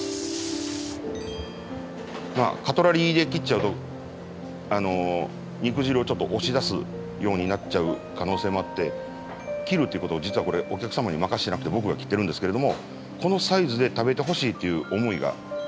まあカトラリーで切っちゃうと肉汁をちょっと押し出すようになっちゃう可能性もあって切るっていうことを実はこれお客様に任せてなくて僕が切ってるんですけれどもこのサイズで食べてほしいっていう思いがあります。